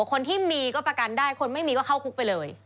คนที่มีก็ประกันได้คนไม่มีก็เข้าคุกไปเลย